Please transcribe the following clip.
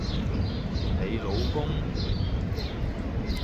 你老公？